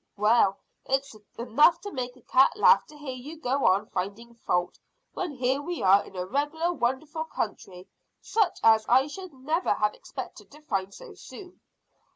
"Well, it's enough to make a cat laugh to hear you go on finding fault, when here we are in a regular wonderful country, such as I should never have expected to find so soon.